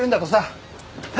はい！